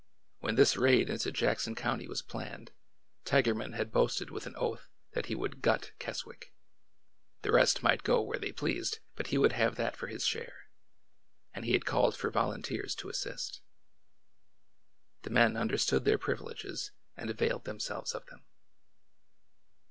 When this raid into Jackson County was planned, Tigerman had boasted with an oath that he would " gut " Keswick, — the rest might go where they pleased, but he would have that for his share, — and he had called for volunteers to assist. The men understood their privileges and availed themselves of them.